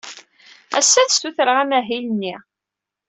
Ass-a, ad ssutren amahil-nni.